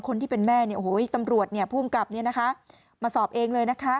คนที่เป็นแม่ตำรวจผู้กลับมาสอบเองเลย